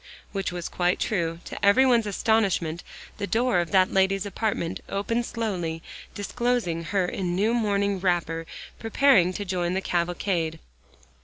Which was quite true. To every one's astonishment the door of that lady's apartment opened slowly, disclosing her in new morning wrapper, preparing to join the cavalcade.